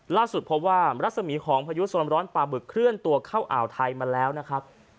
ล่าสุดพบว่ารัศมีของพายุโซนร้อนปลาบึกเคลื่อนตัวเข้าอ่าวไทยมาแล้วนะครับ